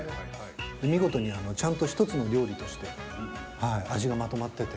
見事にちゃんと１つの料理として味がまとまってて。